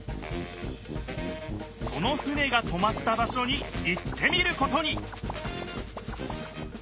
その船がとまった場所に行ってみることに！